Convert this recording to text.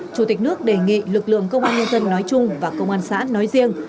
chủ tịch nước đề nghị lực lượng công an nhân dân nói chung và công an xã nói riêng